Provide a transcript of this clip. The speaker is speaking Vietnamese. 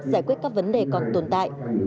giải quyết các vấn đề còn tồn tại